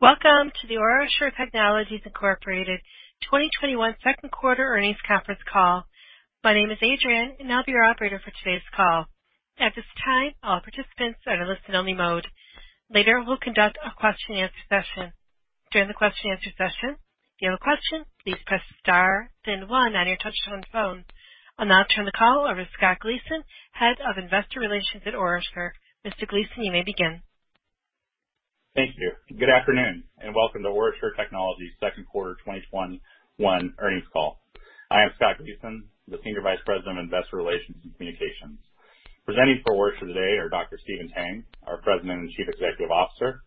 Welcome to the OraSure Technologies Incorporated 2021 second quarter earnings conference call. My name is Adrienne, I'll be your operator for today's call. At this time, all participants are in listen only mode. Later, we'll conduct a question-and-answer session. During the question-and-answer session, if you have a question, please press star then one on your touch tone phone. I'll now turn the call over to Scott Gleason, Head of Investor Relations at OraSure. Mr. Gleason, you may begin. Thank you. Good afternoon, welcome to OraSure Technologies' second quarter 2021 earnings call. I am Scott Gleason, the Senior Vice President of Investor Relations and Communications. Presenting for OraSure today are Dr. Stephen Tang, our President and Chief Executive Officer,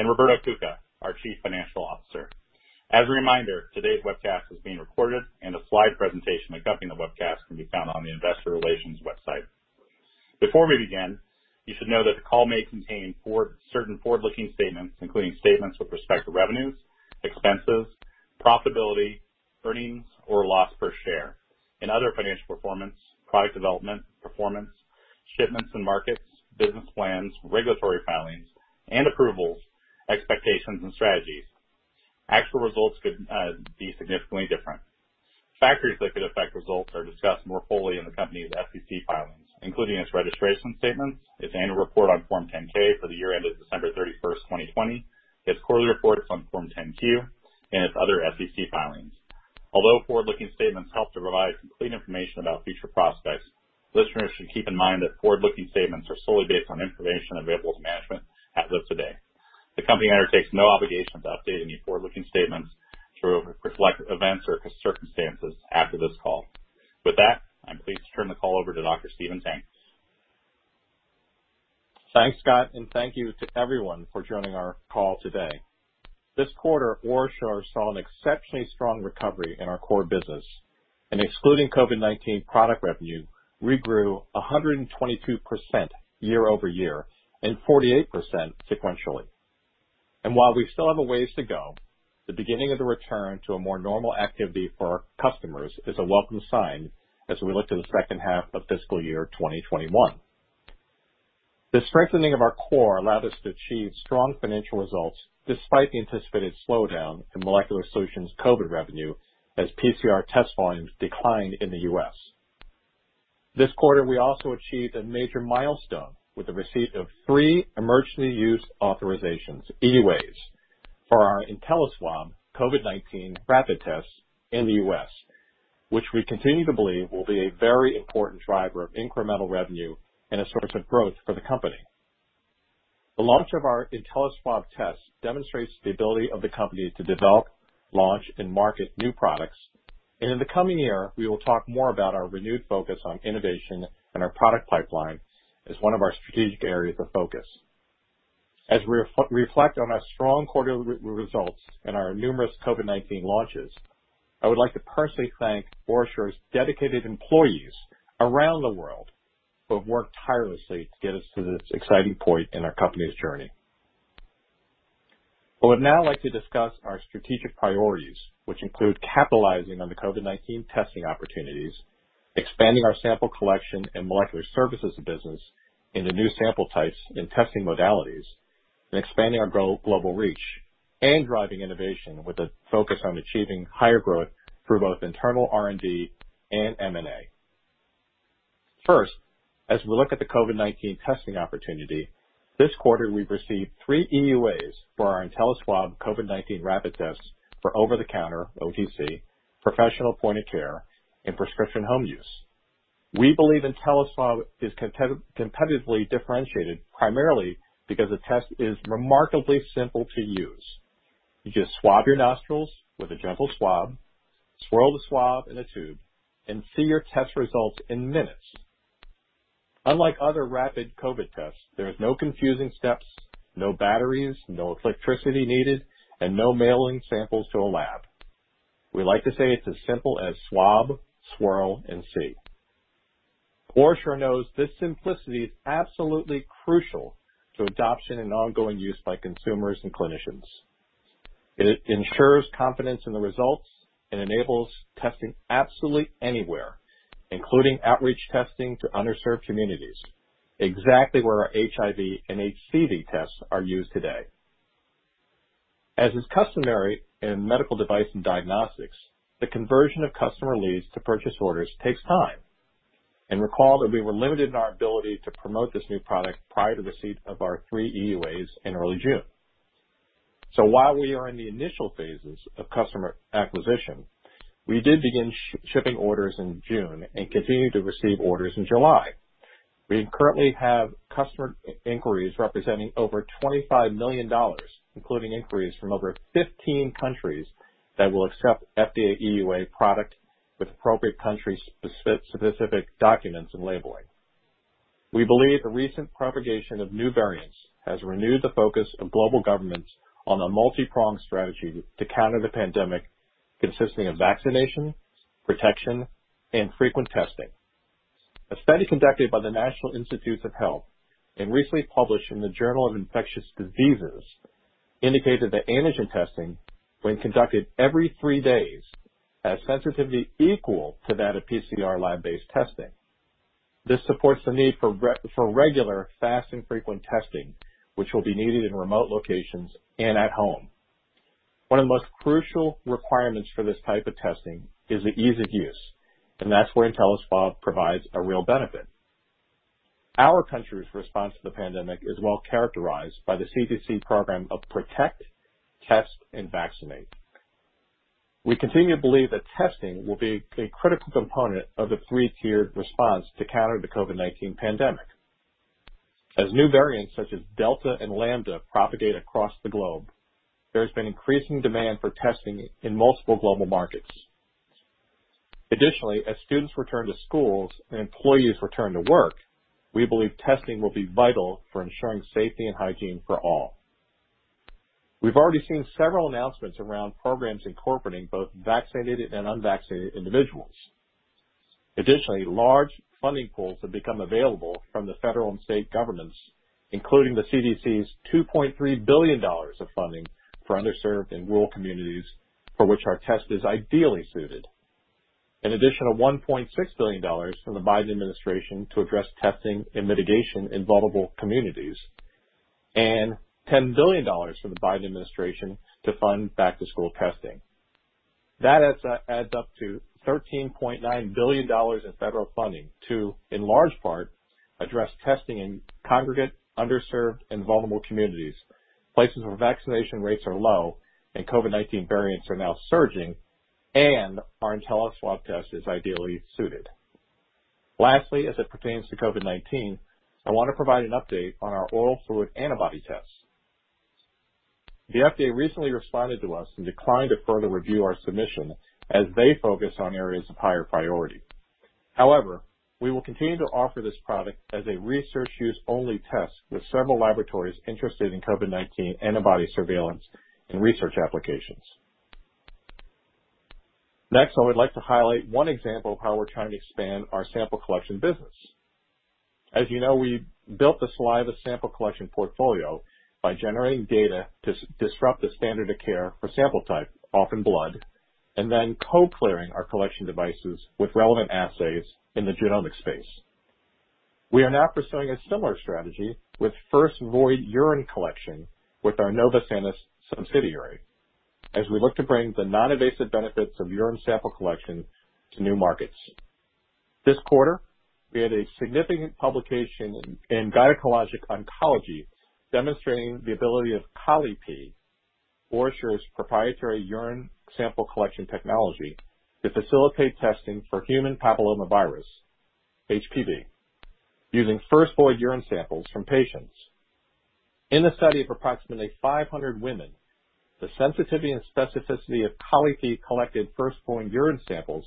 Roberto Cuca, our Chief Financial Officer. As a reminder, today's webcast is being recorded, a slide presentation accompanying the webcast can be found on the investor relations website. Before we begin, you should know that the call may contain certain forward-looking statements, including statements with respect to revenues, expenses, profitability, earnings or loss per share and other financial performance, product development, performance, shipments and markets, business plans, regulatory filings and approvals, expectations, and strategies. Actual results could be significantly different. Factors that could affect results are discussed more fully in the company's SEC filings, including its registration statements, its annual report on Form 10-K for the year ended December 31st, 2020, its quarterly reports on Form 10-Q, and its other SEC filings. Although forward-looking statements help to provide complete information about future prospects, listeners should keep in mind that forward-looking statements are solely based on information available to management as of today. The company undertakes no obligation to update any forward-looking statements through events or circumstances after this call. With that, I'm pleased to turn the call over to Dr. Stephen Tang. Thanks, Scott, and thank you to everyone for joining our call today. This quarter, OraSure saw an exceptionally strong recovery in our core business, and excluding COVID-19 product revenue, we grew 122% year-over-year and 48% sequentially. While we still have a ways to go, the beginning of the return to a more normal activity for our customers is a welcome sign as we look to the second half of fiscal year 2021. The strengthening of our core allowed us to achieve strong financial results despite the anticipated slowdown in molecular solutions COVID revenue, as PCR test volumes declined in the U.S. This quarter, we also achieved a major milestone with the receipt of three emergency use authorizations, EUAs, for our InteliSwab COVID-19 rapid tests in the U.S., which we continue to believe will be a very important driver of incremental revenue and a source of growth for the company. The launch of our InteliSwab test demonstrates the ability of the company to develop, launch, and market new products. In the coming year, we will talk more about our renewed focus on innovation and our product pipeline as one of our strategic areas of focus. As we reflect on our strong quarterly results and our numerous COVID-19 launches, I would like to personally thank OraSure's dedicated employees around the world who have worked tirelessly to get us to this exciting point in our company's journey. I would now like to discuss our strategic priorities, which include capitalizing on the COVID-19 testing opportunities, expanding our sample collection and molecular services business into new sample types and testing modalities, and expanding our global reach and driving innovation with a focus on achieving higher growth through both internal R&D and M&A. As we look at the COVID-19 testing opportunity, this quarter, we've received three EUAs for our InteliSwab COVID-19 rapid tests for over-the-counter, OTC, professional point of care, and prescription home use. We believe InteliSwab is competitively differentiated primarily because the test is remarkably simple to use. You just swab your nostrils with a gentle swab, swirl the swab in a tube, and see your test results in minutes. Unlike other rapid COVID tests, there's no confusing steps, no batteries, no electricity needed, and no mailing samples to a lab. We like to say it's as simple as swab, swirl, and see. OraSure knows this simplicity is absolutely crucial to adoption and ongoing use by consumers and clinicians. It ensures confidence in the results and enables testing absolutely anywhere, including outreach testing to underserved communities, exactly where our HIV and HCV tests are used today. As is customary in medical device and diagnostics, the conversion of customer leads to purchase orders takes time. Recall that we were limited in our ability to promote this new product prior to receipt of our three EUAs in early June. While we are in the initial phases of customer acquisition, we did begin shipping orders in June and continued to receive orders in July. We currently have customer inquiries representing over $25 million, including inquiries from over 15 countries that will accept FDA EUA product with appropriate country-specific documents and labeling. We believe the recent propagation of new variants has renewed the focus of global governments on a multi-pronged strategy to counter the pandemic, consisting of vaccination, protection, and frequent testing. A study conducted by the National Institutes of Health and recently published in The Journal of Infectious Diseases indicated that antigen testing, when conducted every three days, has sensitivity equal to that of PCR lab-based testing. This supports the need for regular fast and frequent testing, which will be needed in remote locations and at home. One of the most crucial requirements for this type of testing is the ease of use, and that's where InteliSwab provides a real benefit. Our country's response to the pandemic is well-characterized by the CDC program of protect, test, and vaccinate. We continue to believe that testing will be a critical component of the three-tiered response to counter the COVID-19 pandemic. As new variants such as Delta and Lambda propagate across the globe, there's been increasing demand for testing in multiple global markets. Additionally, as students return to schools and employees return to work, we believe testing will be vital for ensuring safety and hygiene for all. We've already seen several announcements around programs incorporating both vaccinated and unvaccinated individuals. Additionally, large funding pools have become available from the federal and state governments, including the CDC's $2.3 billion of funding for underserved and rural communities, for which our test is ideally suited. An additional $1.6 billion from the Biden administration to address testing and mitigation in vulnerable communities, and $10 billion from the Biden administration to fund back-to-school testing. That adds up to $13.9 billion in federal funding to, in large part, address testing in congregate, underserved, and vulnerable communities, places where vaccination rates are low and COVID-19 variants are now surging, and our InteliSwab test is ideally suited. Lastly, as it pertains to COVID-19, I want to provide an update on our oral fluid antibody test. The FDA recently responded to us and declined to further review our submission as they focus on areas of higher priority. However, we will continue to offer this product as a research-use only test with several laboratories interested in COVID-19 antibody surveillance and research applications. Next, I would like to highlight one example of how we're trying to expand our sample collection business. As you know, we built the saliva sample collection portfolio by generating data to disrupt the standard of care for sample type, often blood, and then co-clearing our collection devices with relevant assays in the genomic space. We are now pursuing a similar strategy with first void urine collection with our Novosanis subsidiary as we look to bring the non-invasive benefits of urine sample collection to new markets. This quarter, we had a significant publication in gynecologic oncology demonstrating the ability of Colli-Pee, OraSure Technologies' proprietary urine sample collection technology, to facilitate testing for human papillomavirus, HPV, using first void urine samples from patients. In the study of approximately 500 women, the sensitivity and specificity of Colli-Pee collected first void urine samples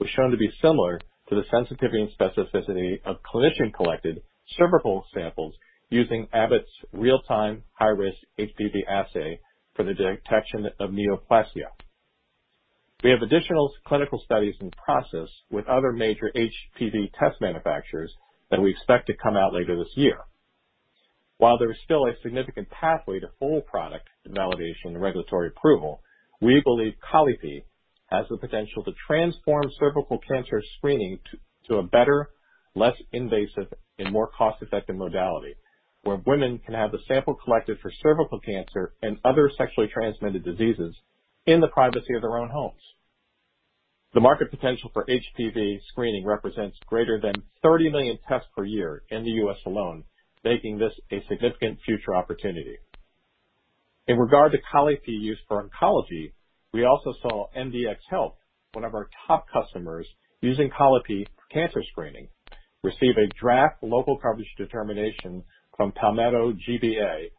was shown to be similar to the sensitivity and specificity of clinician-collected cervical samples using Abbott's RealTime High Risk HPV assay for the detection of neoplasia. We have additional clinical studies in process with other major HPV test manufacturers that we expect to come out later this year. While there is still a significant pathway to full product validation and regulatory approval, we believe Colli-Pee has the potential to transform cervical cancer screening to a better, less invasive, and more cost-effective modality, where women can have the sample collected for cervical cancer and other sexually transmitted diseases in the privacy of their own homes. The market potential for HPV screening represents greater than 30 million tests per year in the U.S. alone, making this a significant future opportunity. In regard to Colli-Pee use for oncology, we also saw MDxHealth, one of our top customers using Colli-Pee cancer screening, receive a draft local coverage determination from Palmetto GBA,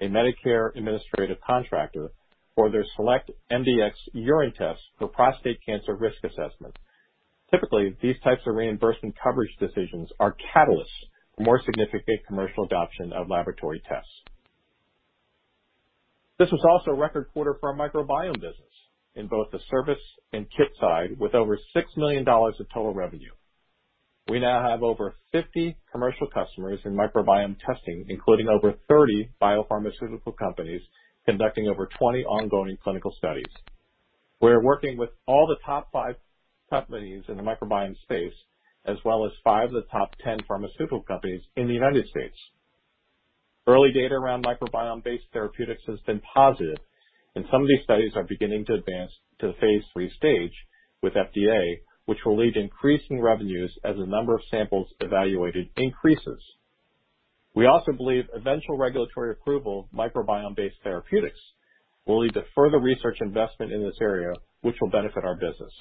a Medicare administrative contractor, for their SelectMDx urine test for prostate cancer risk assessment. Typically, these types of reimbursement coverage decisions are catalysts for more significant commercial adoption of laboratory tests. This was also a record quarter for our microbiome business in both the service and kit side, with over $6 million of total revenue. We now have over 50 commercial customers in microbiome testing, including over 30 biopharmaceutical companies conducting over 20 ongoing clinical studies. We're working with all the top five companies in the microbiome space, as well as five of the top 10 pharmaceutical companies in the United States. Early data around microbiome-based therapeutics has been positive, and some of these studies are beginning to advance to the phase III stage with FDA, which will lead to increasing revenues as the number of samples evaluated increases. We also believe eventual regulatory approval of microbiome-based therapeutics will lead to further research investment in this area, which will benefit our business.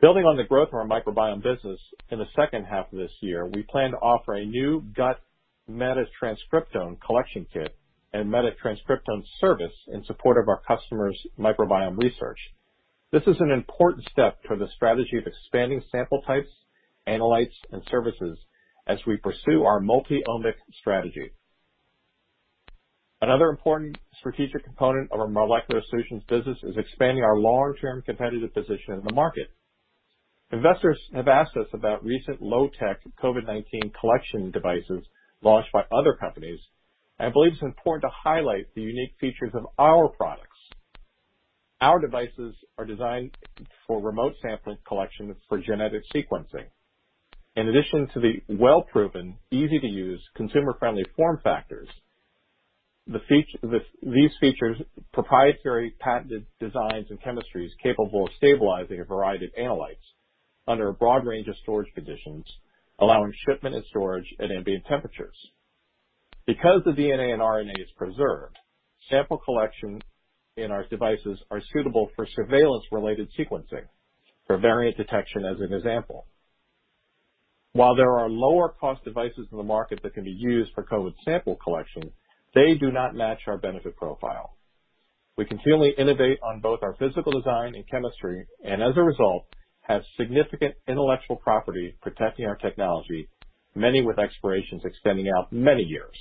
Building on the growth of our microbiome business, in the second half of this year, we plan to offer a new gut metatranscriptome collection kit and metatranscriptome service in support of our customers' microbiome research. This is an important step for the strategy of expanding sample types, analytes, and services as we pursue our multi-omic strategy. Another important strategic component of our molecular solutions business is expanding our long-term competitive position in the market. Investors have asked us about recent low-tech COVID-19 collection devices launched by other companies. I believe it's important to highlight the unique features of our products. Our devices are designed for remote sampling collection for genetic sequencing. In addition to the well-proven, easy-to-use, consumer-friendly form factors, these feature proprietary patented designs and chemistries capable of stabilizing a variety of analytes under a broad range of storage conditions, allowing shipment and storage at ambient temperatures. Because the DNA and RNA is preserved, sample collection in our devices are suitable for surveillance-related sequencing, for variant detection as an example. While there are lower-cost devices in the market that can be used for COVID sample collection, they do not match our benefit profile. We continually innovate on both our physical design and chemistry, and as a result, have significant intellectual property protecting our technology, many with expirations extending out many years.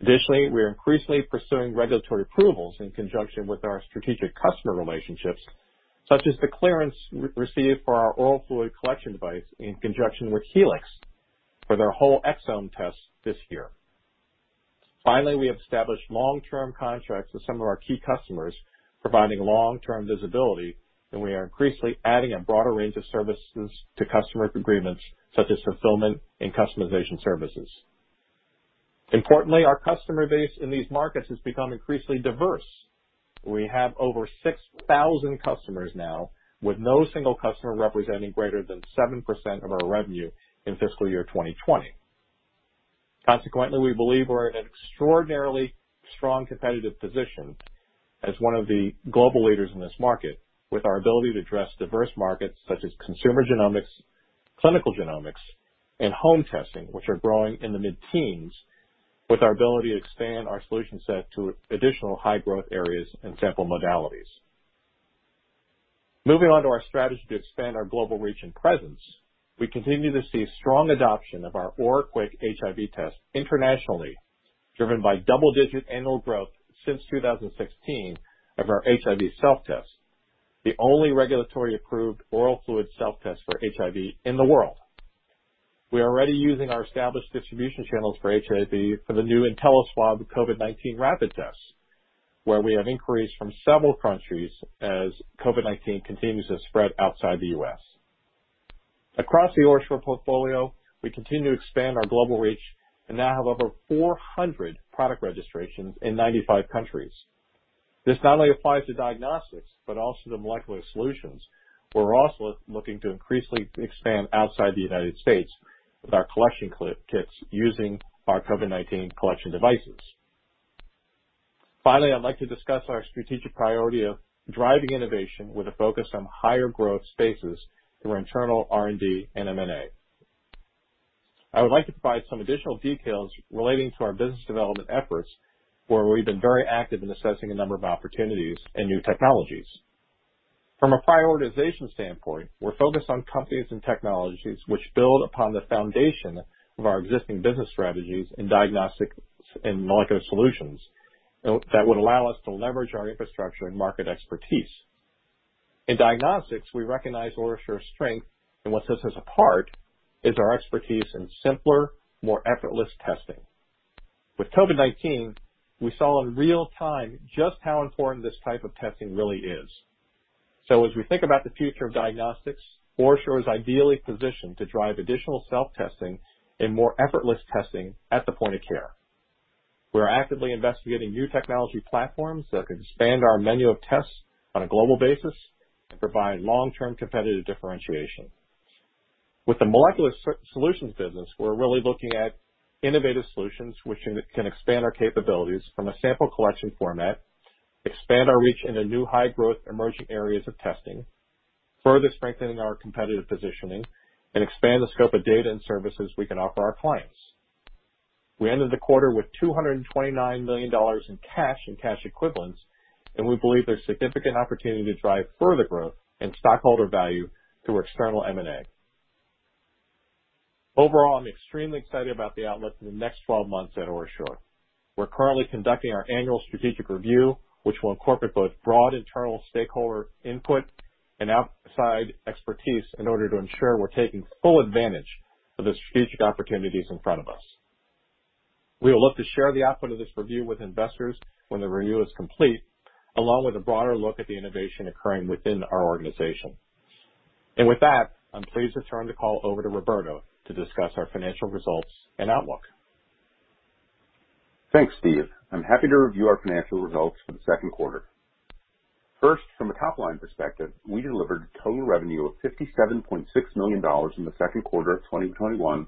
Additionally, we are increasingly pursuing regulatory approvals in conjunction with our strategic customer relationships, such as the clearance received for our oral fluid collection device in conjunction with Helix for their whole exome test this year. Finally, we have established long-term contracts with some of our key customers, providing long-term visibility, and we are increasingly adding a broader range of services to customers agreements such as fulfillment and customization services. Importantly, our customer base in these markets has become increasingly diverse. We have over 6,000 customers now, with no single customer representing greater than 7% of our revenue in fiscal year 2020. Consequently, we believe we're in an extraordinarily strong competitive position as one of the global leaders in this market, with our ability to address diverse markets such as consumer genomics, clinical genomics, and home testing, which are growing in the mid-teens, with our ability to expand our solution set to additional high-growth areas and sample modalities. Moving on to our strategy to expand our global reach and presence, we continue to see strong adoption of our OraQuick HIV test internationally, driven by double-digit annual growth since 2016 of our HIV self-test, the only regulatory-approved oral fluid self-test for HIV in the world. We are already using our established distribution channels for HIV for the new InteliSwab COVID-19 rapid tests, where we have inquiries from several countries as COVID-19 continues to spread outside the U.S. Across the OraSure portfolio, we continue to expand our global reach and now have over 400 product registrations in 95 countries. This not only applies to diagnostics, but also to molecular solutions. We're also looking to increasingly expand outside the United States with our collection kits using our COVID-19 collection devices. Finally, I'd like to discuss our strategic priority of driving innovation with a focus on higher growth spaces through internal R&D and M&A. I would like to provide some additional details relating to our business development efforts, where we've been very active in assessing a number of opportunities and new technologies. From a prioritization standpoint, we're focused on companies and technologies which build upon the foundation of our existing business strategies in diagnostics and molecular solutions that would allow us to leverage our infrastructure and market expertise. In diagnostics, we recognize OraSure's strength and what sets us apart is our expertise in simpler, more effortless testing. With COVID-19, we saw in real-time just how important this type of testing really is. As we think about the future of diagnostics, OraSure is ideally positioned to drive additional self-testing and more effortless testing at the point of care. We are actively investigating new technology platforms that can expand our menu of tests on a global basis and provide long-term competitive differentiation. With the molecular solutions business, we're really looking at innovative solutions which can expand our capabilities from a sample collection format, expand our reach into new high-growth emerging areas of testing, further strengthening our competitive positioning, and expand the scope of data and services we can offer our clients. We ended the quarter with $229 million in cash and cash equivalents, and we believe there's significant opportunity to drive further growth and stockholder value through external M&A. Overall, I'm extremely excited about the outlook for the next 12 months at OraSure. We're currently conducting our annual strategic review, which will incorporate both broad internal stakeholder input and outside expertise in order to ensure we're taking full advantage of the strategic opportunities in front of us. We will look to share the output of this review with investors when the review is complete, along with a broader look at the innovation occurring within our organization. With that, I'm pleased to turn the call over to Roberto to discuss our financial results and outlook. Thanks, Steve. I'm happy to review our financial results for the second quarter. First, from a top-line perspective, we delivered total revenue of $57.6 million in the second quarter of 2021,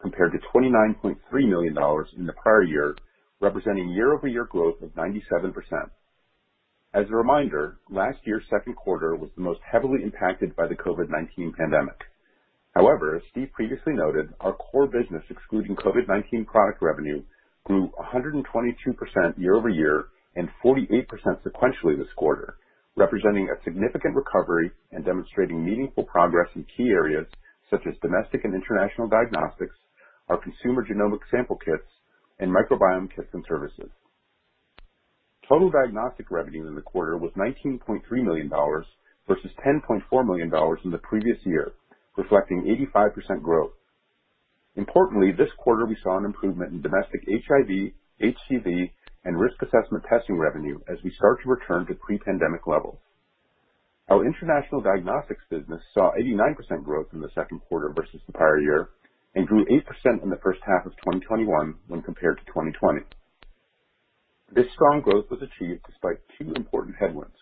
compared to $29.3 million in the prior year, representing year-over-year growth of 97%. As a reminder, last year's second quarter was the most heavily impacted by the COVID-19 pandemic. However, as Steve previously noted, our core business, excluding COVID-19 product revenue, grew 122% year-over-year and 48% sequentially this quarter, representing a significant recovery and demonstrating meaningful progress in key areas such as domestic and international diagnostics, our consumer genomic sample kits, and microbiome kits and services. Total diagnostic revenue in the quarter was $19.3 million versus $10.4 million in the previous year, reflecting 85% growth. Importantly, this quarter we saw an improvement in domestic HIV, HCV, and risk assessment testing revenue as we start to return to pre-pandemic levels. Our international diagnostics business saw 89% growth in the second quarter versus the prior year and grew 8% in the first half of 2021 when compared to 2020. This strong growth was achieved despite two important headwinds.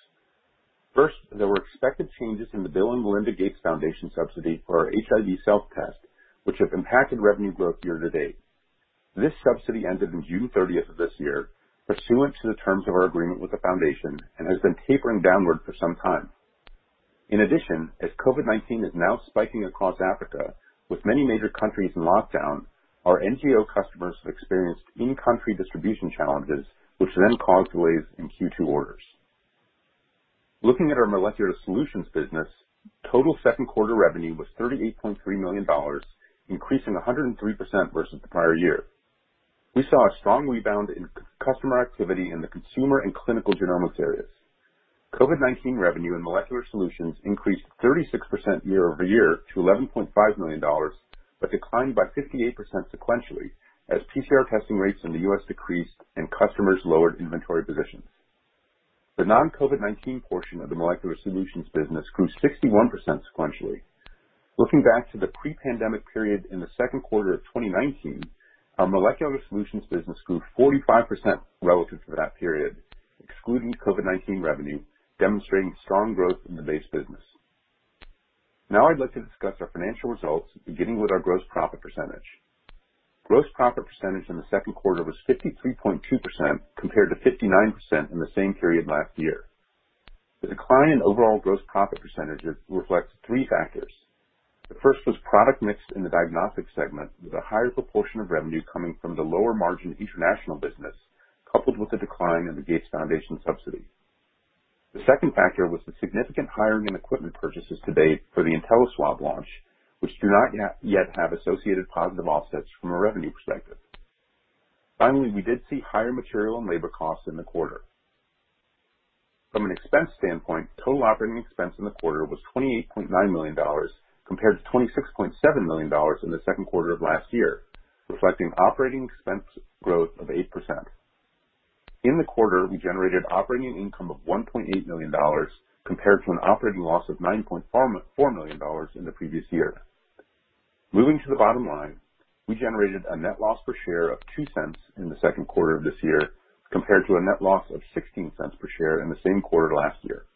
First, there were expected changes in the Bill and Melinda Gates Foundation subsidy for our HIV self-test, which have impacted revenue growth year-to-date. This subsidy ended on June 30th of this year, pursuant to the terms of our agreement with the foundation, and has been tapering downward for some time. As COVID-19 is now spiking across Africa, with many major countries in lockdown, our NGO customers have experienced in-country distribution challenges, which then caused delays in Q2 orders. Looking at our molecular solutions business, total second quarter revenue was $38.3 million, increasing 103% versus the prior year. We saw a strong rebound in customer activity in the consumer and clinical genomics areas. COVID-19 revenue and Molecular Solutions increased 36% year-over-year to $11.5 million, but declined by 58% sequentially as PCR testing rates in the U.S. decreased and customers lowered inventory positions. The non-COVID-19 portion of the Molecular Solutions business grew 61% sequentially. Looking back to the pre-pandemic period in the second quarter of 2019, our Molecular Solutions business grew 45% relative to that period, excluding COVID-19 revenue, demonstrating strong growth in the base business. I'd like to discuss our financial results, beginning with our gross profit percentage. Gross profit percentage in the second quarter was 53.2%, compared to 59% in the same period last year. The decline in overall gross profit percentage reflects three factors. The first was product mix in the diagnostic segment, with a higher proportion of revenue coming from the lower margin international business, coupled with the decline in the Gates Foundation subsidy. The second factor was the significant hiring and equipment purchases to date for the InteliSwab launch, which do not yet have associated positive offsets from a revenue perspective. We did see higher material and labor costs in the quarter. From an expense standpoint, total operating expense in the quarter was $28.9 million, compared to $26.7 million in the second quarter of last year, reflecting operating expense growth of 8%. In the quarter, we generated operating income of $1.8 million, compared to an operating loss of $9.4 million in the previous year. Moving to the bottom line, we generated a net loss per share of $0.02 in the second quarter of this year, compared to a net loss of $0.16 per share in the same quarter last year.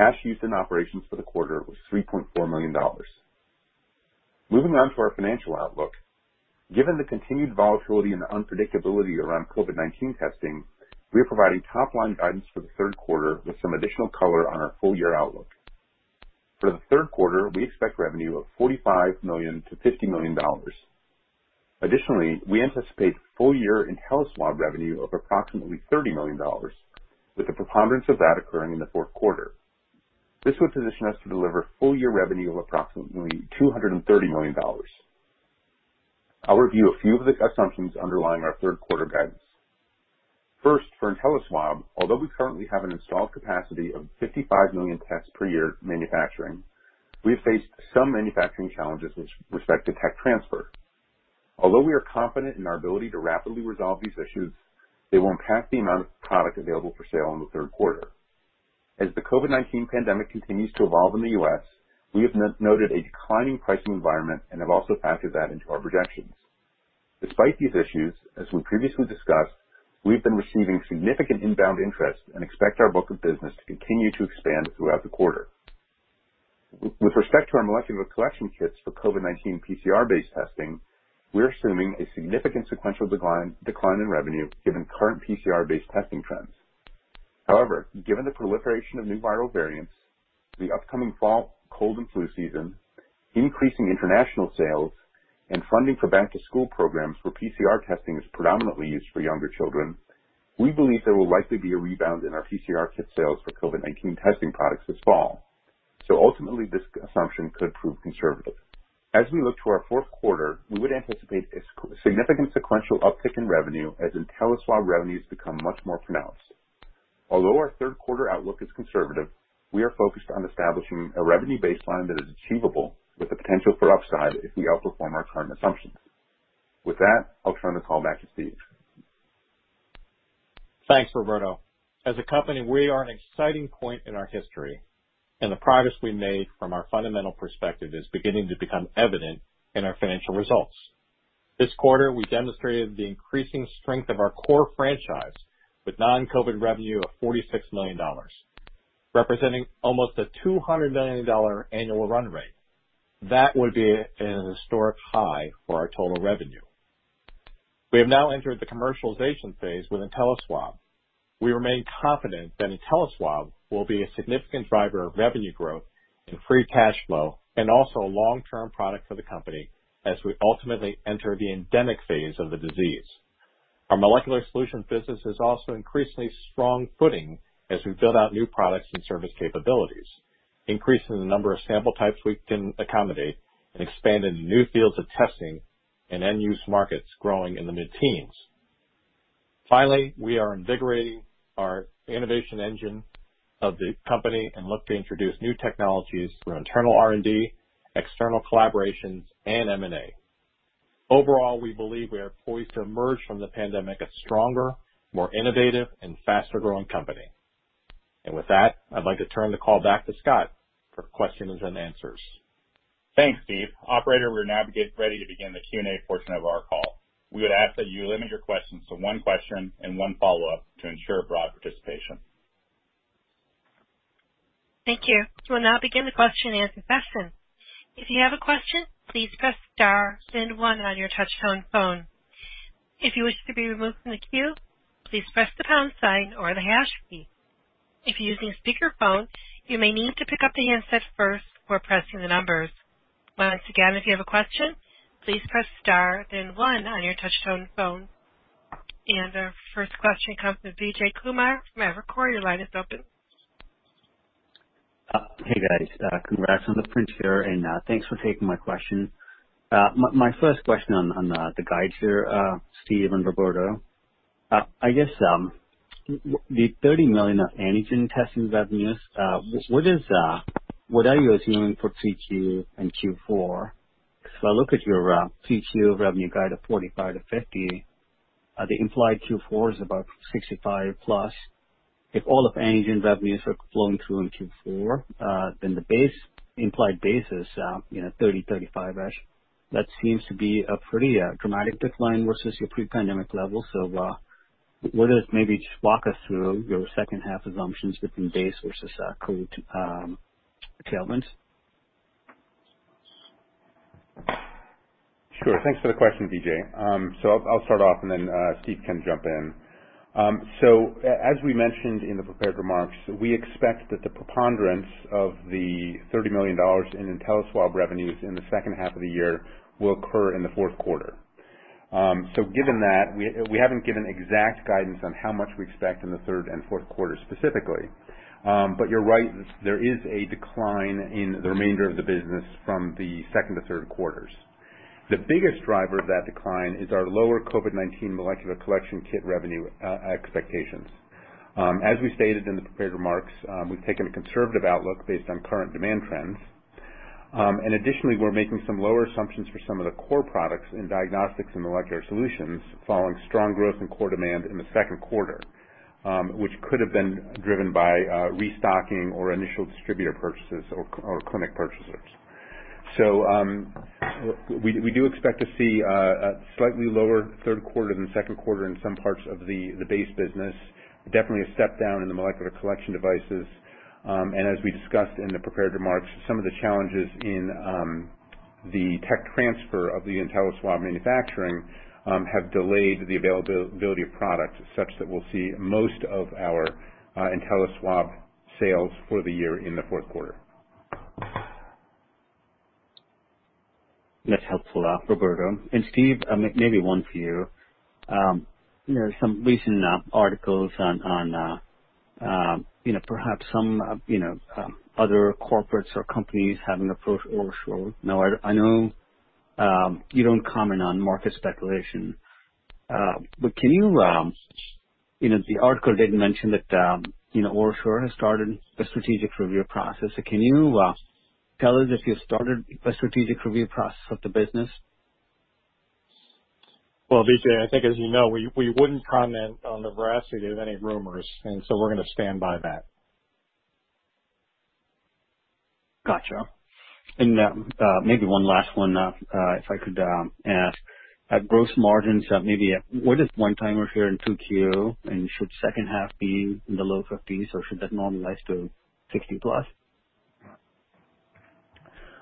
Cash used in operations for the quarter was $3.4 million. Moving on to our financial outlook. Given the continued volatility and the unpredictability around COVID-19 testing, we are providing top-line guidance for the third quarter with some additional color on our full-year outlook. For the third quarter, we expect revenue of $45 million-$50 million. Additionally, we anticipate full-year InteliSwab revenue of approximately $30 million, with the preponderance of that occurring in the fourth quarter. This would position us to deliver full-year revenue of approximately $230 million. I'll review a few of the assumptions underlying our third quarter guidance. First, for InteliSwab, although we currently have an installed capacity of 55 million tests per year manufacturing, we have faced some manufacturing challenges with respect to tech transfer. Although we are confident in our ability to rapidly resolve these issues, they won't impact the amount of product available for sale in the third quarter. As the COVID-19 pandemic continues to evolve in the U.S., we have noted a declining pricing environment and have also factored that into our projections. Despite these issues, as we previously discussed, we've been receiving significant inbound interest and expect our book of business to continue to expand throughout the quarter. With respect to our molecular collection kits for COVID-19 PCR-based testing, we're assuming a significant sequential decline in revenue given current PCR-based testing trends. However, given the proliferation of new viral variants, the upcoming fall cold and flu season, increasing international sales, and funding for back-to-school programs where PCR testing is predominantly used for younger children, we believe there will likely be a rebound in our PCR kit sales for COVID-19 testing products this fall. Ultimately, this assumption could prove conservative. As we look to our fourth quarter, we would anticipate a significant sequential uptick in revenue as InteliSwab revenues become much more pronounced. Although our third quarter outlook is conservative, we are focused on establishing a revenue baseline that is achievable with the potential for upside if we outperform our current assumptions. With that, I'll turn the call back to Steve. Thanks, Roberto. As a company, we are at an exciting point in our history. The progress we made from our fundamental perspective is beginning to become evident in our financial results. This quarter, we demonstrated the increasing strength of our core franchise with non-COVID revenue of $46 million, representing almost a $200 million annual run rate. That would be an historic high for our total revenue. We have now entered the commercialization phase with InteliSwab. We remain confident that InteliSwab will be a significant driver of revenue growth and free cash flow and also a long-term product for the company as we ultimately enter the endemic phase of the disease. Our molecular solutions business is also increasingly strong footing as we build out new products and service capabilities, increasing the number of sample types we can accommodate and expand into new fields of testing and end-use markets growing in the mid-teens. Finally, we are invigorating our innovation engine of the company and look to introduce new technologies through internal R&D, external collaborations, and M&A. Overall, we believe we are poised to emerge from the pandemic a stronger, more innovative, and faster-growing company. With that, I'd like to turn the call back to Scott for questions-and-answers. Thanks, Steve. Operator, we're now ready to begin the Q&A portion of our call. We would ask that you limit your questions to one question and one follow-up to ensure broad participation. Thank you. We'll now begin the question-and-answer session. If you have a question, please press star then one on your touch-tone phone. If you wish to be removed from the queue, please press the pound sign or the hash key. If you're using speakerphone, you may need to pick up the handset first or pressing the numbers. Once again, if you have a question, please press star then one on your touch-tone phone. Our first question comes from Vijay Kumar from Evercore. Your line is open. Hey, guys. Congrats on the prints here. Thanks for taking my question. My first question on the guides here, Steve and Roberto. I guess, the $30 million antigen testing revenues, what are you assuming for 2Q and Q4? If I look at your 2Q revenue guide of $45 million-$50 million, the implied Q4 is about $65 million+. If all of antigen revenues were flowing through in Q4, the implied base is $30 million-$35 million-ish. That seems to be a pretty dramatic decline versus your pre-pandemic level. Maybe just walk us through your second half assumptions between base versus COVID tailwinds. Sure. Thanks for the question, Vijay. I'll start off and then Steve can jump in. As we mentioned in the prepared remarks, we expect that the preponderance of the $30 million in InteliSwab revenues in the second half of the year will occur in the fourth quarter. Given that, we haven't given exact guidance on how much we expect in the third and fourth quarter specifically. You're right, there is a decline in the remainder of the business from the second to third quarters. The biggest driver of that decline is our lower COVID-19 molecular collection kit revenue expectations. As we stated in the prepared remarks, we've taken a conservative outlook based on current demand trends. Additionally, we're making some lower assumptions for some of the core products in diagnostics and molecular solutions following strong growth in core demand in the second quarter, which could have been driven by restocking or initial distributor purchases or clinic purchasers. We do expect to see a slightly lower third quarter than second quarter in some parts of the base business. Definitely a step down in the molecular collection devices. As we discussed in the prepared remarks, some of the challenges in the tech transfer of the InteliSwab manufacturing have delayed the availability of product, such that we'll see most of our InteliSwab sales for the year in the fourth quarter. That's helpful, Roberto. Steve, maybe one for you. There's some recent articles on perhaps some other corporates or companies having approached OraSure. I know you don't comment on market speculation. The article did mention that OraSure has started a strategic review process. Can you tell us if you've started a strategic review process of the business? Well, Vijay, I think as you know, we wouldn't comment on the veracity of any rumors, and so we're going to stand by that. Gotcha. Maybe one last one if I could ask. At gross margins, maybe were there one-timers here in 2Q? Should second half be in the low 50s, or should that normalize to 60+?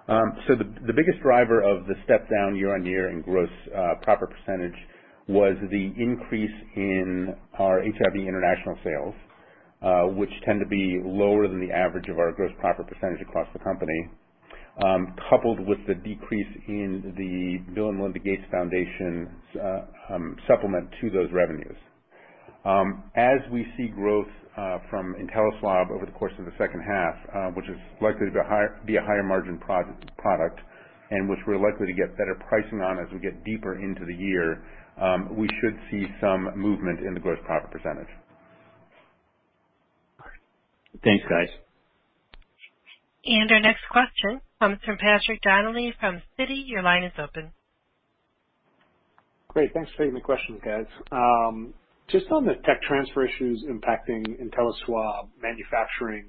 The biggest driver of the step down year-on-year in gross profit percentage was the increase in our HIV international sales, which tend to be lower than the average of our gross profit percentage across the company, coupled with the decrease in the Bill and Melinda Gates Foundation supplement to those revenues. As we see growth from InteliSwab over the course of the second half, which is likely to be a higher margin product, and which we're likely to get better pricing on as we get deeper into the year, we should see some movement in the gross profit percentage. Thanks, guys. Our next question comes from Patrick Donnelly from Citi. Your line is open. Great. Thanks for taking the questions, guys. Just on the tech transfer issues impacting InteliSwab manufacturing,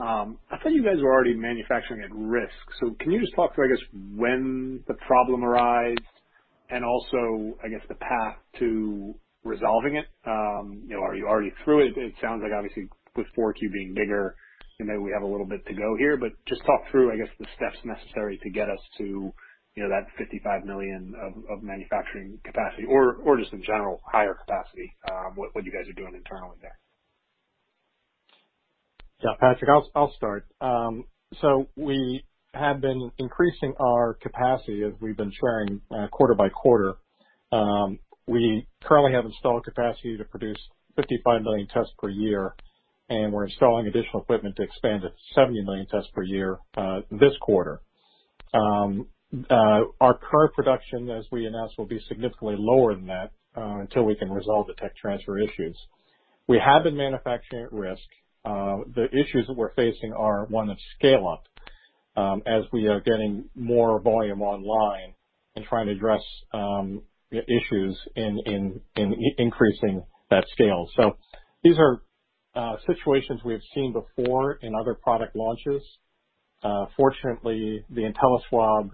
I thought you guys were already manufacturing at risk. Can you just talk through, I guess, when the problem arose and also, I guess, the path to resolving it? Are you already through it? It sounds like obviously with 4Q being bigger, maybe we have a little bit to go here, but just talk through, I guess, the steps necessary to get us to that 55 million of manufacturing capacity or just in general, higher capacity, what you guys are doing internally there. Yeah, Patrick, I'll start. We have been increasing our capacity, as we've been sharing quarter-by-quarter. We currently have installed capacity to produce 55 million tests per year, and we're installing additional equipment to expand to 70 million tests per year this quarter. Our current production, as we announced, will be significantly lower than that until we can resolve the tech transfer issues. We have been manufacturing at risk. The issues that we're facing are one of scale-up, as we are getting more volume online and trying to address issues in increasing that scale. These are situations we have seen before in other product launches. Fortunately, the InteliSwab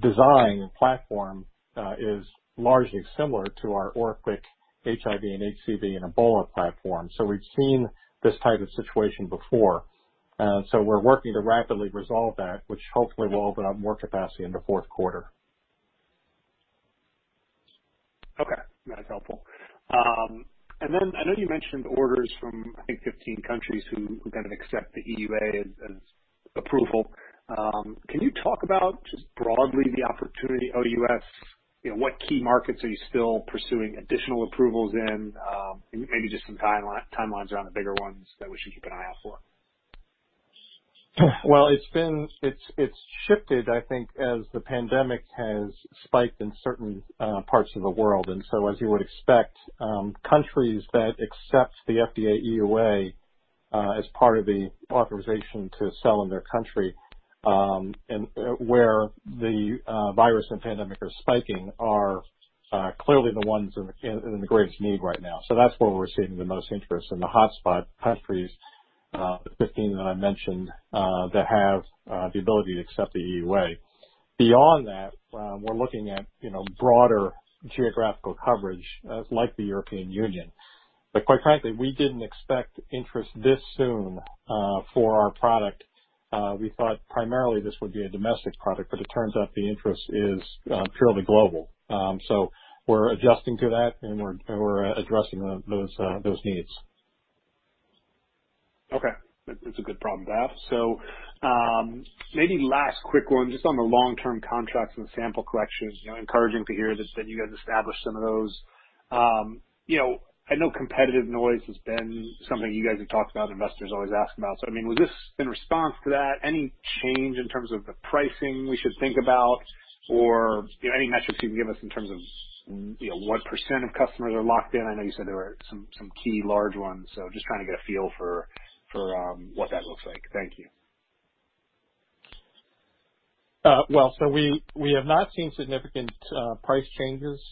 design platform is largely similar to our OraQuick HIV and HCV and Ebola platform. We're working to rapidly resolve that, which hopefully will open up more capacity in the fourth quarter. Okay. That's helpful. I know you mentioned orders from, I think, 15 countries who kind of accept the EUA and approval. Can you talk about, just broadly, the opportunity OUS, what key markets are you still pursuing additional approvals in? Maybe just some timelines around the bigger ones that we should keep an eye out for. It's shifted, I think, as the pandemic has spiked in certain parts of the world. As you would expect, countries that accept the FDA EUA as part of the authorization to sell in their country, and where the virus and pandemic are spiking, are clearly the ones in the greatest need right now. So that's where we're seeing the most interest, in the hotspot countries, the 15 that I mentioned, that have the ability to accept the EUA. Beyond that, we're looking at broader geographical coverage, like the European Union. Quite frankly, we didn't expect interest this soon for our product. It turns out the interest is purely global. We're adjusting to that, and we're addressing those needs. Okay. It's a good problem to have. Maybe last quick one, just on the long-term contracts and sample collections, encouraging to hear that you guys established some of those. I know competitive noise has been something you guys have talked about, investors always ask about. I mean, was this in response to that? Any change in terms of the pricing we should think about, or any metrics you can give us in terms of what percent of customers are locked in? I know you said there were some key large ones, just trying to get a feel for what that looks like. Thank you. We have not seen significant price changes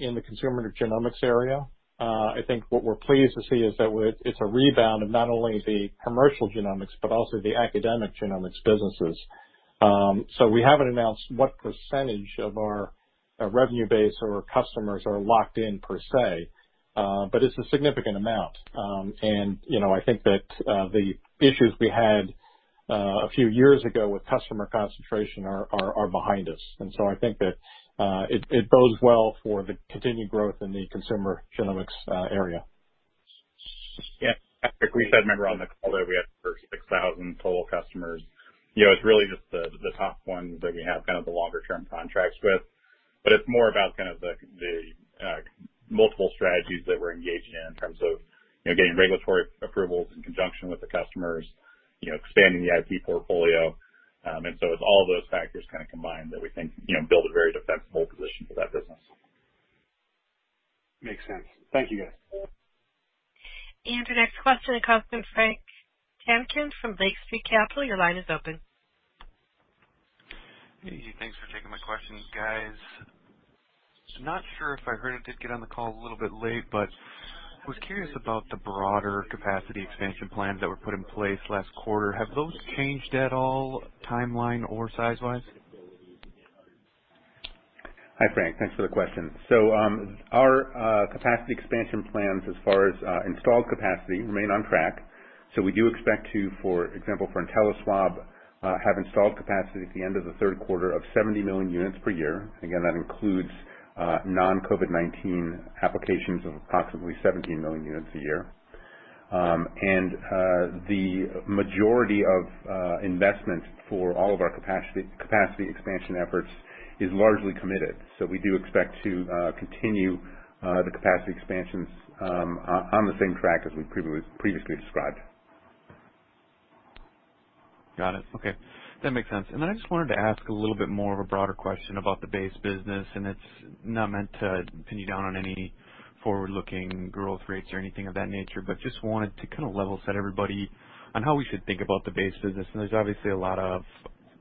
in the consumer genomics area. I think what we are pleased to see is that it is a rebound of not only the commercial genomics, but also the academic genomics businesses. We have not announced what percentage of our revenue base or customers are locked in per se, but it is a significant amount. I think that the issues we had a few years ago with customer concentration are behind us. I think that it bodes well for the continued growth in the consumer genomics area. Yeah. Like we said, remember on the call that we had over 6,000 total customers. It's really just the top ones that we have kind of the longer-term contracts with. It's more about the multiple strategies that we're engaged in in terms of getting regulatory approvals in conjunction with the customers, expanding the IP portfolio. It's all of those factors kind of combined that we think build a very defensible position for that business. Makes sense. Thank you, guys. Your next question comes from Frank Cambron from Lake Street Capital. Your line is open. Hey, thanks for taking my questions, guys. Not sure if I heard it, did get on the call a little bit late. I was curious about the broader capacity expansion plans that were put in place last quarter. Have those changed at all, timeline or size-wise? Hi, Frank. Thanks for the question. Our capacity expansion plans as far as installed capacity remain on track. We do expect to, for example, for InteliSwab, have installed capacity at the end of the third quarter of 70 million units per year. Again, that includes non-COVID-19 applications of approximately 70 million units a year. The majority of investment for all of our capacity expansion efforts is largely committed. We do expect to continue the capacity expansions on the same track as we previously described. Got it. Okay. That makes sense. I just wanted to ask a little bit more of a broader question about the base business, and it's not meant to pin you down on any forward-looking growth rates or anything of that nature, but just wanted to kind of level set everybody on how we should think about the base business. There's obviously a lot of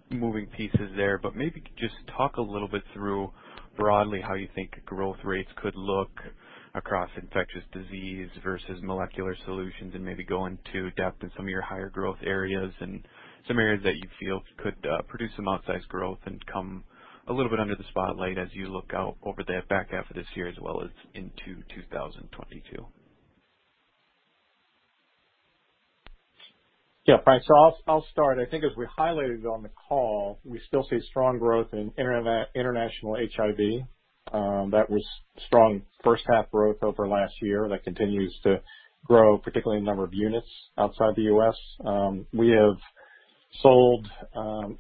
moving pieces there, but maybe just talk a little bit through broadly how you think growth rates could look across infectious disease versus molecular solutions, and maybe go into depth in some of your higher growth areas and some areas that you feel could produce some outsized growth and come a little bit under the spotlight as you look out over the back half of this year as well as into 2022. Frank, I'll start. I think as we highlighted on the call, we still see strong growth in international HIV. That was strong first half growth over last year. That continues to grow, particularly in the number of units outside the U.S. We have sold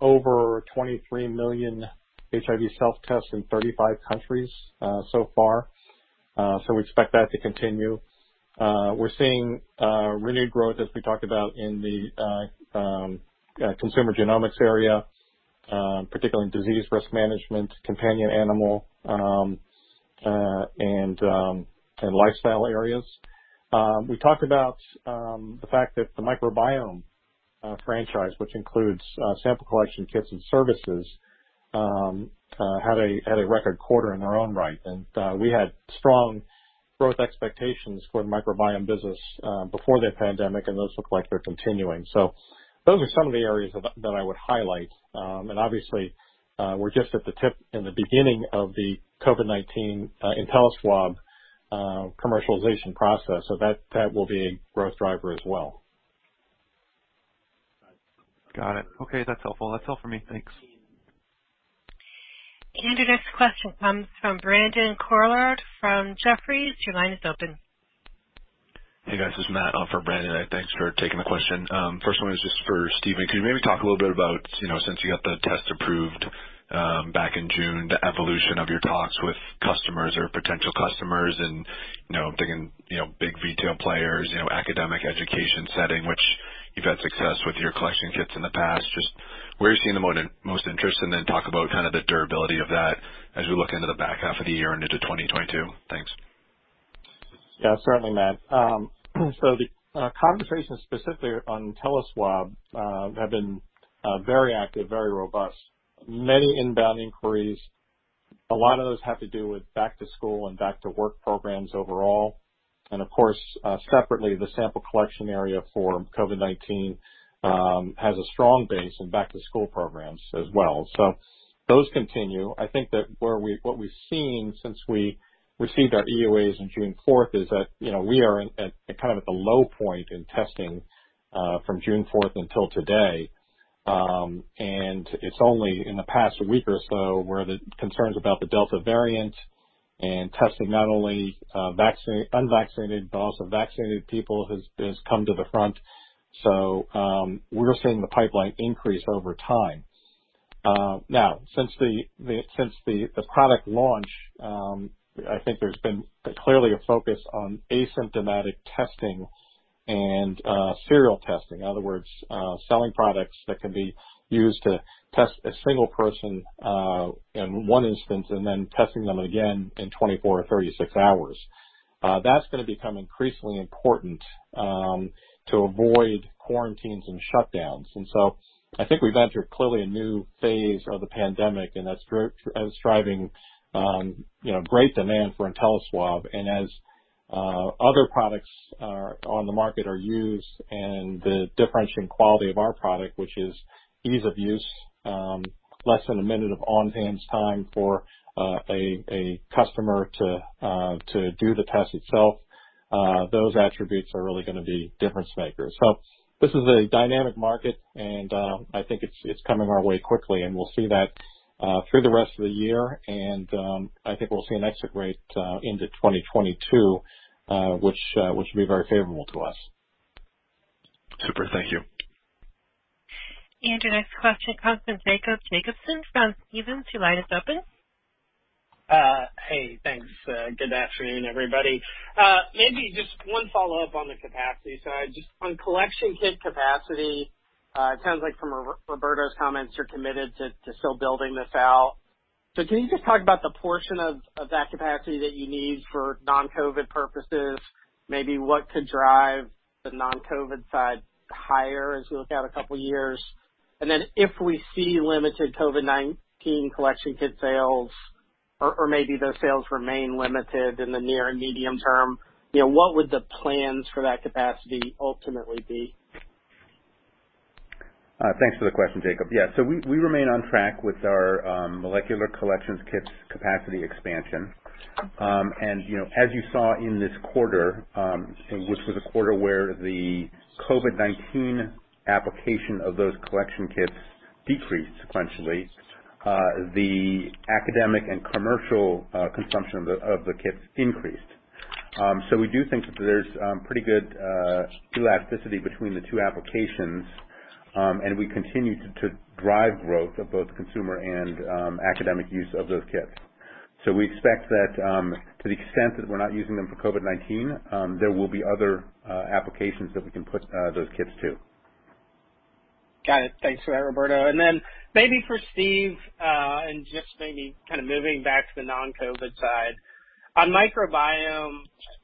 over 23 million HIV self-tests in 35 countries so far. We expect that to continue. We're seeing renewed growth, as we talked about in the consumer genomics area, particularly in disease risk management, companion animal, and lifestyle areas. We talked about the fact that the microbiome franchise, which includes sample collection kits and services, had a record quarter in their own right. We had strong growth expectations for the microbiome business before the pandemic, and those look like they're continuing. Those are some of the areas that I would highlight. Obviously, we're just at the tip, in the beginning of the COVID-19 InteliSwab commercialization process, so that will be a growth driver as well. Got it. Okay, that's helpful. That's all for me. Thanks. Your next question comes from Brandon Couillard from Jefferies. Your line is open. Hey, guys. This is Matt for Brandon. Thanks for taking the question. First one is just for Stephen. Can you maybe talk a little bit about, since you got the test approved back in June, the evolution of your talks with customers or potential customers and thinking big retail players, academic education setting, which you've had success with your collection kits in the past. Where are you seeing the most interest? Talk about kind of the durability of that as we look into the back half of the year and into 2022. Thanks. Yeah, certainly, Matt. The conversations specifically on InteliSwab have been very active, very robust. Many inbound inquiries. A lot of those have to do with back-to-school and back-to-work programs overall. Of course, separately, the sample collection area for COVID-19 has a strong base in back-to-school programs as well. Those continue. I think that what we've seen since we received our EUAs in June 4th is that we are at kind of at the low point in testing from June 4th until today. It's only in the past week or so where the concerns about the Delta variant and testing not only unvaccinated, but also vaccinated people, has come to the front. We're seeing the pipeline increase over time. Now, since the product launch, I think there's been clearly a focus on asymptomatic testing and serial testing. In other words, selling products that can be used to test a single person in 1 instance, and then testing them again in 24 or 36 hours. That's going to become increasingly important to avoid quarantines and shutdowns. I think we've entered clearly a new phase of the pandemic, and that's driving great demand for InteliSwab. As other products on the market are used and the differentiating quality of our product, which is ease of use, less than one minute of on-hands time for a customer to do the test itself, those attributes are really going to be difference makers. This is a dynamic market, and I think it's coming our way quickly, and we'll see that through the rest of the year. I think we'll see an exit rate into 2022, which will be very favorable to us. Super. Thank you. Your next question comes from Jacob Johnson from Stephens. Your line is open. Hey, thanks. Good afternoon, everybody. Maybe just one follow-up on the capacity side. Just on collection kit capacity, it sounds like from Roberto's comments, you're committed to still building this out. Can you just talk about the portion of that capacity that you need for non-COVID purposes? Maybe what could drive the non-COVID side higher as we look out a couple of years? If we see limited COVID-19 collection kit sales or maybe those sales remain limited in the near and medium-term, what would the plans for that capacity ultimately be? Thanks for the question, Jacob. Yeah, we remain on track with our molecular collections kits capacity expansion. As you saw in this quarter, which was a quarter where the COVID-19 application of those collection kits decreased sequentially, the academic and commercial consumption of the kits increased. We do think that there's pretty good elasticity between the two applications, and we continue to drive growth of both consumer and academic use of those kits. We expect that to the extent that we're not using them for COVID-19, there will be other applications that we can put those kits to. Got it. Thanks for that, Roberto. Maybe for Steve, and just maybe kind of moving back to the non-COVID side. On microbiome,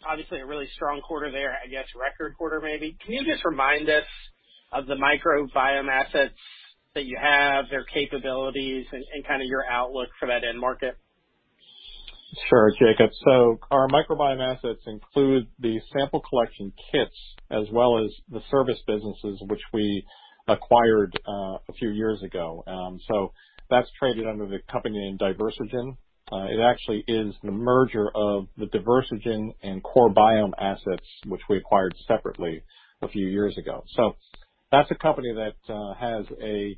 obviously a really strong quarter there, I guess record quarter maybe. Can you just remind us of the microbiome assets that you have, their capabilities, and kind of your outlook for that end market? Sure, Jacob. Our microbiome assets include the sample collection kits as well as the service businesses, which we acquired a few years ago. That's traded under the company name Diversigen. It actually is the merger of the Diversigen and CoreBiome assets, which we acquired separately a few years ago. That's a company that has a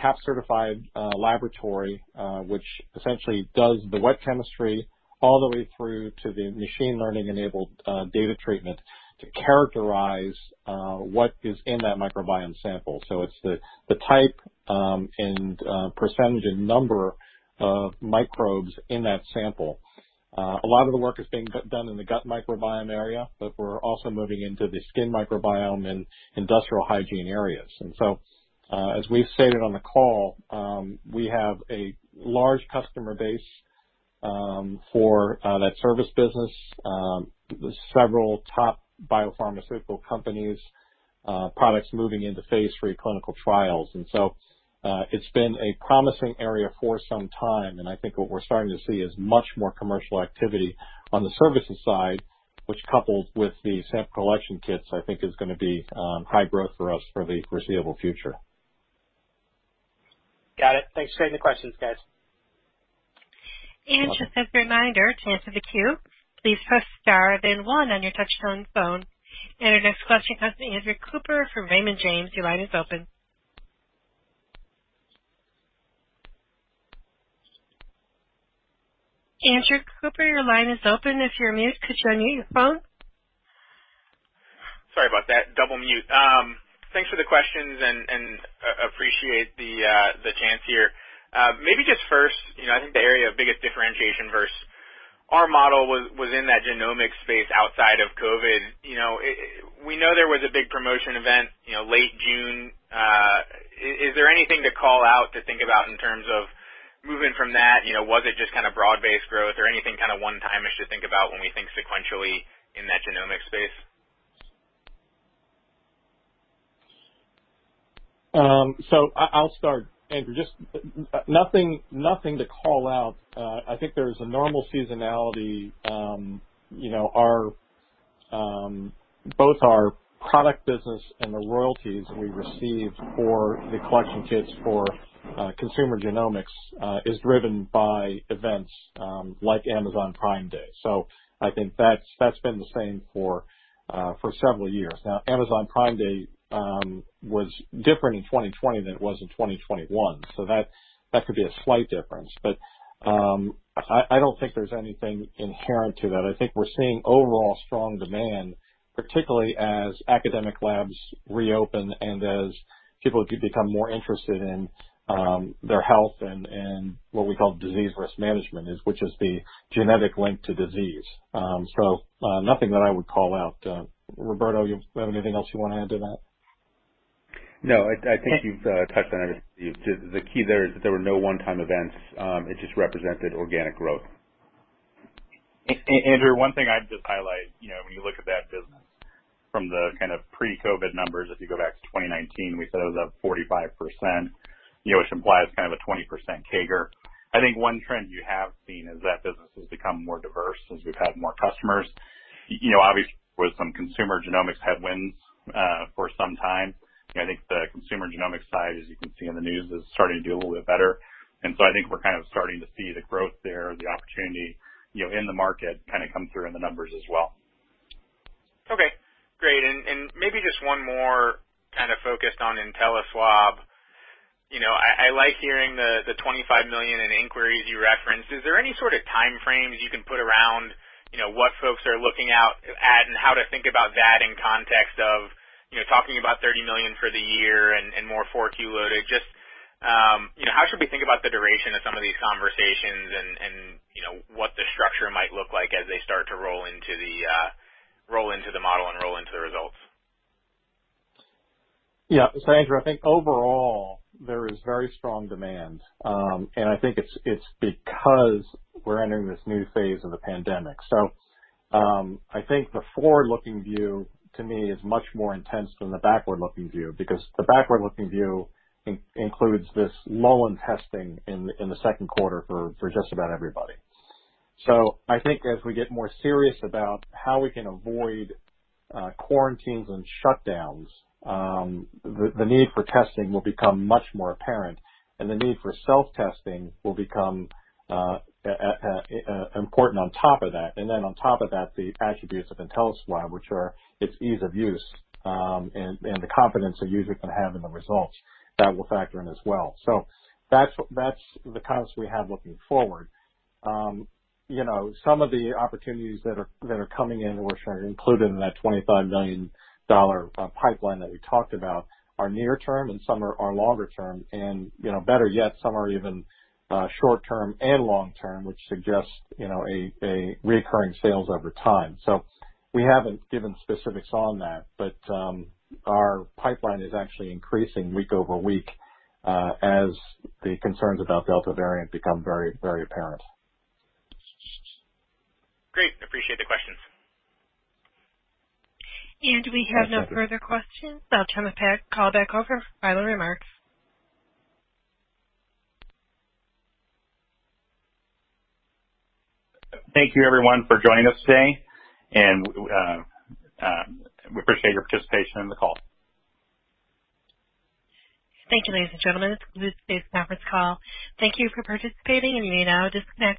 CAP-certified laboratory, which essentially does the wet chemistry all the way through to the machine learning-enabled data treatment to characterize what is in that microbiome sample. It's the type and percentage and number of microbes in that sample. A lot of the work is being done in the gut microbiome area, but we're also moving into the skin microbiome and industrial hygiene areas. As we've stated on the call, we have a large customer base for that service business, with several top biopharmaceutical companies' products moving into phase III clinical trials. It's been a promising area for some time, and I think what we're starting to see is much more commercial activity on the services side, which, coupled with the sample collection kits, I think is going to be high growth for us for the foreseeable future. Got it. Thanks for taking the questions, guys. Just as a reminder, to access queue, please press star, then one on your touch-tone phone. Our next question comes from Andrew Cooper from Raymond James. Your line is open. Andrew Cooper, your line is open. If you're on mute, could you unmute your phone? Sorry about that. Double mute. Thanks for the questions, appreciate the chance here. Maybe just first, I think the area of biggest differentiation versus our model was in that genomics space outside of COVID. We know there was a big promotion event late June. Is there anything to call out to think about in terms of moving from that? Was it just broad-based growth or anything one-time-ish to think about when we think sequentially in that genomics space? I'll start, Andrew. Just nothing to call out. I think there's a normal seasonality. Both our product business and the royalties we received for the collection kits for consumer genomics is driven by events like Amazon Prime Day. I think that's been the same for several years now. Amazon Prime Day was different in 2020 than it was in 2021, so that could be a slight difference. I don't think there's anything inherent to that. I think we're seeing overall strong demand, particularly as academic labs reopen and as people become more interested in their health and what we call disease risk management, which is the genetic link to disease. Nothing that I would call out. Roberto, you have anything else you want to add to that? No, I think you've touched on it. The key there is that there were no one-time events. It just represented organic growth. Andrew, one thing I'd just highlight, when you look at that business from the pre-COVID numbers, if you go back to 2019, we said it was up 45%, which implies a 20% CAGR. I think one trend you have seen is that business has become more diverse as we've had more customers. Obviously, with some consumer genomics headwinds for some time, I think the consumer genomics side, as you can see in the news, is starting to do a little bit better. I think we're starting to see the growth there, the opportunity in the market come through in the numbers as well. Okay, great. Maybe just one more focused on InteliSwab. I like hearing the $25 million in inquiries you referenced. Is there any sort of time frames you can put around what folks are looking out at and how to think about that in context of talking about $30 million for the year and more forward key loaded? Just how should we think about the duration of some of these conversations and what the structure might look like as they start to roll into the model and roll into the results? Andrew, I think overall, there is very strong demand. I think it's because we're entering this new phase of the pandemic. I think the forward-looking view, to me, is much more intense than the backward-looking view, because the backward-looking view includes this lull in testing in the second quarter for just about everybody. I think as we get more serious about how we can avoid quarantines and shutdowns, the need for testing will become much more apparent, and the need for self-testing will become important on top of that. On top of that, the attributes of InteliSwab, which are its ease of use and the confidence a user can have in the results, that will factor in as well. That's the promise we have looking forward. Some of the opportunities that are coming in, which are included in that $25 million pipeline that we talked about, are near-term and some are longer-term. Better yet, some are even short-term and long-term, which suggests recurring sales over time. We haven't given specifics on that, but our pipeline is actually increasing week over week as the concerns about Delta variant become very apparent. Great. Appreciate the questions. We have no further questions. I'll turn the call back over for final remarks. Thank you everyone for joining us today, and we appreciate your participation in the call. Thank you, ladies and gentlemen. This concludes today's conference call. Thank you for participating and you may now disconnect.